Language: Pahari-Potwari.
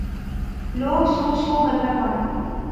لوک سو سو گلاں بانے